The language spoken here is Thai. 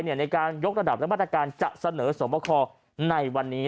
ในการยกระดับและมาตรการจะเสนอสวบคอในวันนี้